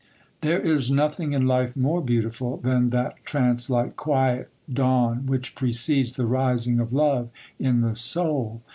There is nothing in life more beautiful than that trancelike quiet dawn which precedes the rising of love in the soul.